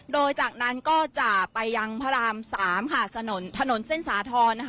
โดยจากนั้นก็จะไปยังพระราม๓ถนนเส้นสาธรณ์